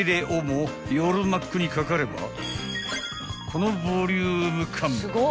［夜マックにかかればこのボリューム感］